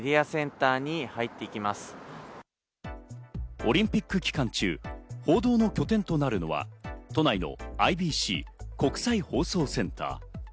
オリンピック期間中、報道の拠点となるのは都内のＩＢＣ・国際放送センター。